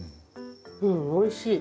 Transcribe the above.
うんおいしい。